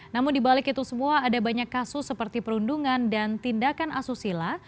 namun dibalik itu semua ada banyak kasus seperti perundungan dan tindakan asusila